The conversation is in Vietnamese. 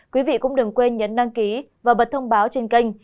quý vị cũng đừng quên nhấn đăng ký và bật thông báo trên kênh